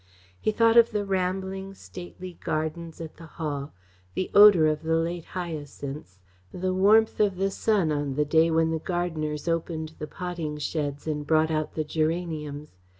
He thought of the rambling, stately gardens at the Hall, the odour of the late hyacinths, the warmth of the sun on the day when the gardeners opened the potting sheds and brought out the geraniums.